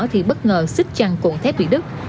thì bất ngờ xích chằn cuộn thép bị đứt